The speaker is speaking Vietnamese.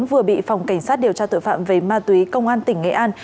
vừa bị phòng cảnh sát điều tra tội phạm về ma túy công an tỉnh nghệ an